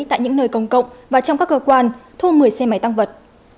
tại những nơi công cộng và trong các cơ quan thu một mươi xe máy tăng vật